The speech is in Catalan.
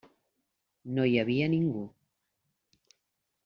No hi havia ningú.